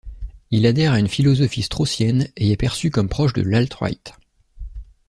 Il adhère à une philosophie straussienne et est perçu comme proche de l'Alt-Right.